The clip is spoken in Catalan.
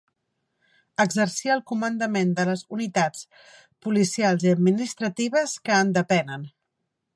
Exercir el comandament de les unitats policials i administratives que en depenen.